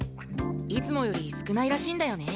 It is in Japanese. いつもより少ないらしいんだよね。